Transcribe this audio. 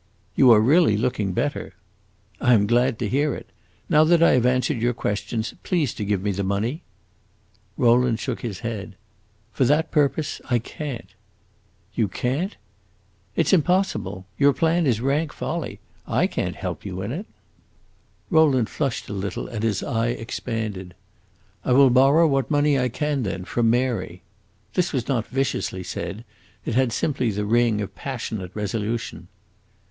"You are really looking better." "I am glad to hear it. Now that I have answered your questions, please to give me the money." Rowland shook his head. "For that purpose, I can't!" "You can't?" "It 's impossible. Your plan is rank folly. I can't help you in it." Roderick flushed a little, and his eye expanded. "I will borrow what money I can, then, from Mary!" This was not viciously said; it had simply the ring of passionate resolution.